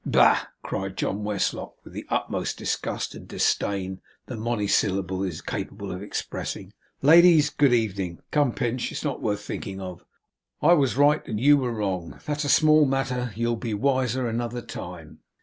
'Bah!' cried John Westlock, with the utmost disgust and disdain the monosyllable is capable of expressing. 'Ladies, good evening. Come, Pinch, it's not worth thinking of. I was right and you were wrong. That's small matter; you'll be wiser another time.